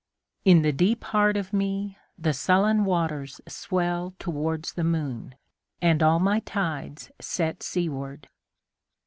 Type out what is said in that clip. In the deep heart of meThe sullen waters swell towards the moon, And all my tides set seaward.